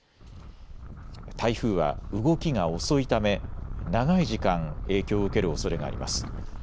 台風は動きが遅いため長い時間影響を受けるおそれがあります。